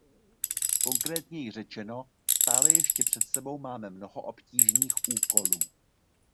Konkrétněji řečeno, stále ještě před sebou máme mnoho obtížných úkolů.